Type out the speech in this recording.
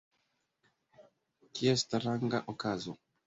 kia stranga okazo!